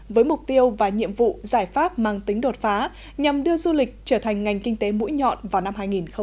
với mục tiêu và nhiệm vụ giải pháp mang tính đột phá nhằm đưa du lịch trở thành ngành kinh tế mũi nhọn vào năm hai nghìn hai mươi